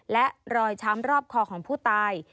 และรอยช้ำรอบคอของผู้ตาย